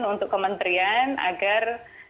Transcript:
untuk kementerian agar